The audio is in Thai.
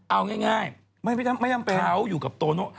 เอาง่ายง่ายไม่ไม่จำไม่จำเป็นเขาอยู่กับโตโน่